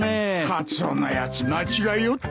カツオのやつ間違えおって。